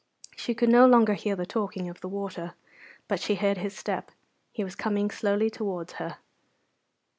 She could no longer hear the talking of the water, but she heard his step. He was coming slowly towards her.